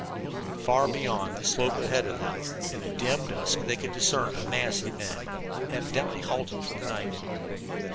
Far beyond the slope ahead of them, in the dim dusk, they could discern a mass of men, evidently halted for the night.